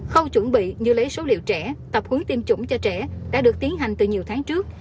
khâu chuẩn bị như lấy số liệu trẻ tập hướng tiêm chủng cho trẻ đã được tiến hành từ nhiều tháng trước